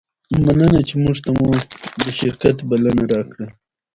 افغانستان کې آمو سیند د خلکو د خوښې وړ ځای دی.